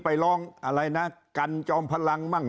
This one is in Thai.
ไปร้องอะไรนะกันจอมพลังมั่ง